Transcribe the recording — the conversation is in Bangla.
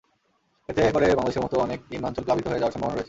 এতে করে বাংলাদেশের মতো অনেক নিম্নাঞ্চল প্লাবিত হয়ে যাওয়ার সম্ভাবনা রয়েছে।